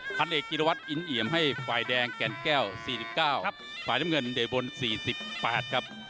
พันเอกกิลวัตรอินเหยียมให้ฝ่ายแดงแก่นแก้วสี่สิบเก้าครับฝ่ายน้ำเงินเดทบนสี่สิบแปดครับ